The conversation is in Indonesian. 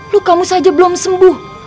luka mu saja belum sembuh